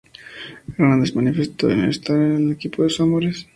Hernández manifestó estar en el equipo de sus amores.